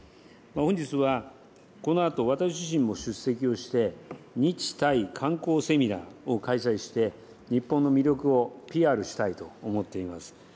本日は、このあと私自身も出席をして、日タイ観光セミナーを開催して、日本の魅力をＰＲしたいと思っています。